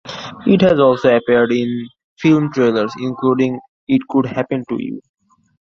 It has also appeared in film trailers including "It Could Happen to You".